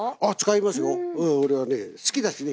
うん俺はね好きだしね。